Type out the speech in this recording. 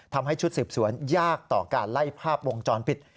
ทำให้ชุดสืบสวนยากต่อการไล่ภาพวงจรปิด